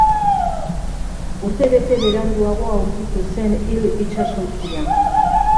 Urte bete beranduago aurkitu zen hil itsasontzia.